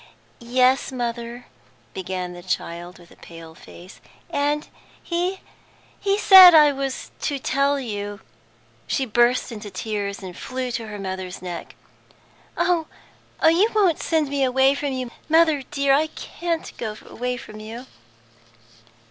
"Yes, mother," began the child, with pale face, "and he he said I was to tell you " She burst into tears, and flew to her mother's neck. "Oh, you won't send me away from you, mother dear? I can't go away from you!"